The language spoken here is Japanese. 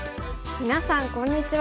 みなさんこんにちは。